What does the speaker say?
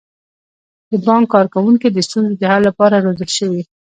د بانک کارکوونکي د ستونزو د حل لپاره روزل شوي.